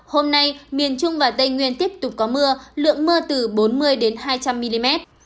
hôm nay miền trung và tây nguyên tiếp tục có mưa lượng mưa từ bốn mươi hai trăm linh mm